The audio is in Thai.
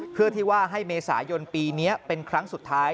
เพื่อที่ว่าให้เมษายนปีนี้เป็นครั้งสุดท้าย